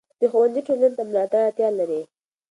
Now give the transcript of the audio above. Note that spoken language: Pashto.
د ښوونځي ټولنې ته د ملاتړ اړتیا لري.